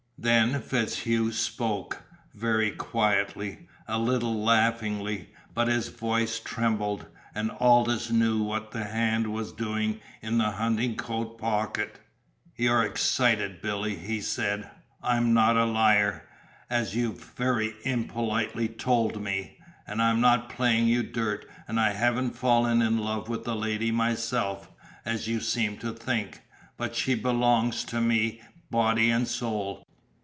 Then FitzHugh spoke, very quietly, a little laughingly; but his voice trembled, and Aldous knew what the hand was doing in the hunting coat pocket. "You're excited, Billy," he said. "I'm not a liar, as you've very impolitely told me. And I'm not playing you dirt, and I haven't fallen in love with the lady myself, as you seem to think. But she belongs to me, body and soul.